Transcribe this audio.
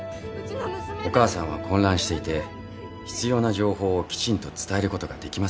お母さんは混乱していて必要な情報をきちんと伝えることができませんでした。